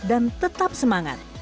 dan tetap semangat